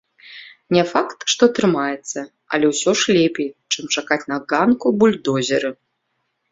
Не факт, што атрымаецца, але ўсё ж лепей, чым чакаць на ганку бульдозеры.